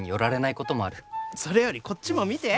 それよりこっちも見て！